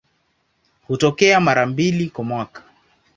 Hutokea mara mbili kwa mwaka.